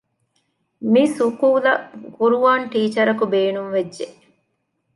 މިސުކޫލަށް ޤުރުޢާން ޓީޗަރަކު ބޭނުންވެއްޖެ